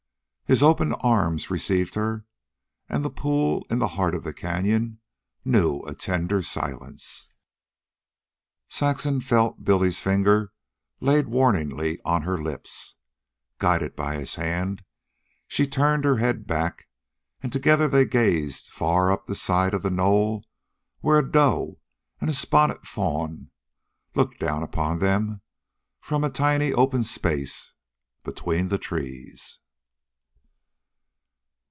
His open arms received her, and the pool in the heart of the canyon knew a tender silence. Saxon felt Billy's finger laid warningly on her lips. Guided by his hand, she turned her head back, and together they gazed far up the side of the knoll where a doe and a spotted fawn looked down upon them from a tiny open space between the trees.